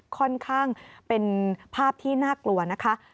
ค่อนข้างเป็นภาพที่น่ากลัวนะคะ